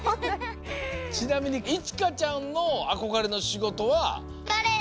ちなみにいちかちゃんのあこがれのしごとは。